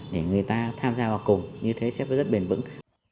để người ta tham gia vào cùng như thế sẽ rất bền vững